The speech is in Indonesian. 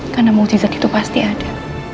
karena mujizat itu pasti ada